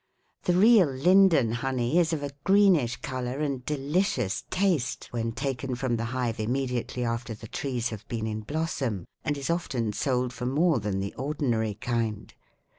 The real linden honey is of a greenish color and delicious taste when taken from the hive immediately after the trees have been in blossom, and is often sold for more than the ordinary kind.